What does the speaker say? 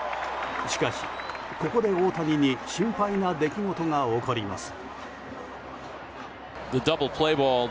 しかし、ここで大谷に心配な出来事が起こります。